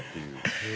へえ。